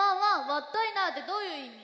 わったいなってどういういみ？